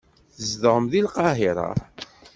Tzedɣem deg Lqahira.